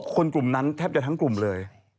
กลุ่มนั้นแทบจะทั้งกลุ่มเลย